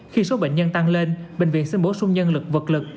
khi số bệnh nhân tăng lên bệnh viện sẽ bổ sung nhân lực vật lực